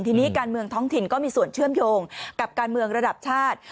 ทีนี้การเมืองท้องถิ่นก็มีส่วนเชื่อมโยงกับการเมืองระดับชาติ